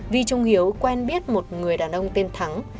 vi trung hiếu quen biết một người đàn ông tên thắng